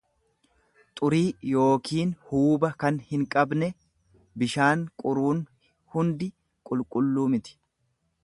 xurii yookiin huuba kan hinqabne; Bishaan quruun hundi qulqulluu miti.